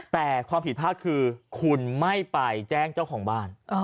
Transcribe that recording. แต่ความผิดพลาดคือคุณไม่ไปแจ้งเจ้าของบ้าน